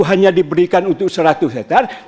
hanya diberikan untuk seratus hektare